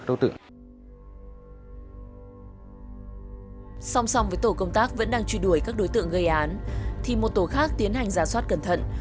sau khi tổ công tác vẫn đang chui đuổi các đối tượng gây án thì một tổ khác tiến hành giả soát cẩn thận